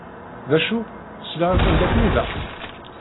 D acu? Sliɣ-aken-d akken ilaq?